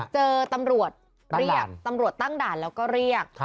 เจอตำรวจเรียกตำรวจตั้งด่านแล้วก็เรียก